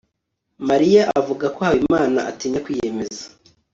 mariya avuga ko habimana atinya kwiyemeza